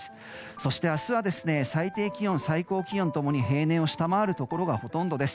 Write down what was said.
そして明日は最低気温、最高気温共に平年を下回るところがほとんどです。